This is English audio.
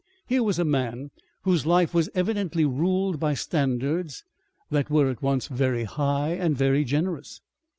Here was a man whose life was evidently ruled by standards that were at once very high and very generous.